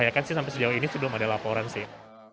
bayangkan sih sampai sejauh ini belum ada laporan sih